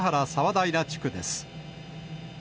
平地区です。